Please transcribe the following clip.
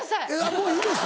もういいです！